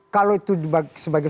kalau itu sebagai